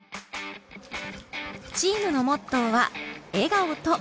チームのモットーは笑顔と一生懸命。